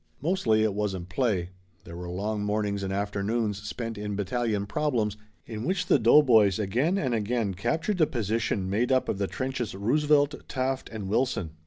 Mostly it wasn't play. There were long mornings and afternoons spent in battalion problems in which the doughboys again and again captured the position made up of the trenches Roosevelt, Taft and Wilson.